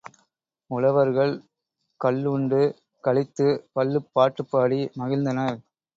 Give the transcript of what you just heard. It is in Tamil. உழவர்கள் கள்ளுண்டு களித்துப் பள்ளுப் பாட்டுப் பாடி மகிழ்ந்தனர்.